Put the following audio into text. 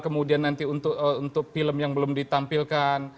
kemudian nanti untuk film yang belum ditampilkan